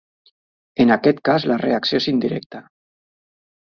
En aquest cas la reacció és indirecta.